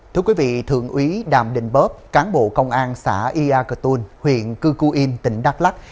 thưa quý vị thượng úy đàm đình bóp cán bộ công an xã ia cà tôn huyện cư cư yên tỉnh đắk lắc